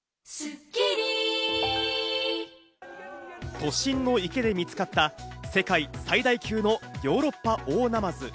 都心の池で見つかった世界最大級のヨーロッパオオナマズ。